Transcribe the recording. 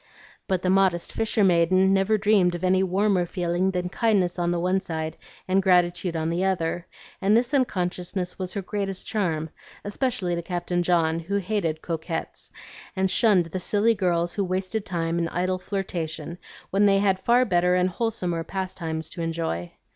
But the modest fisher maiden never dreamed of any warmer feeling than kindness on the one side and gratitude on the other; and this unconsciousness was her greatest charm, especially to Captain John, who hated coquettes, and shunned the silly girls who wasted time in idle flirtation when they had far better and wholesomer pastimes to enjoy.